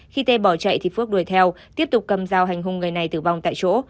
khi tê bỏ chạy thì phước đuổi theo tiếp tục cầm dao hành hung người này tử vong tại chỗ